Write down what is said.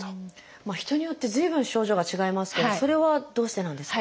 人によって随分症状が違いますけどそれはどうしてなんですか？